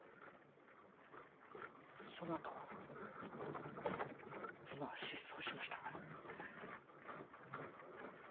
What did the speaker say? そのあと妻は失踪しました